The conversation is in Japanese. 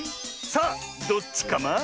さあどっちカマ？